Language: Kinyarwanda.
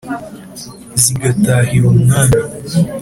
zigatahira umwami :